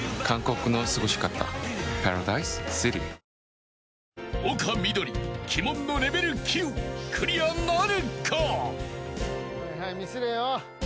三菱電機［丘みどり鬼門のレベル９クリアなるか？］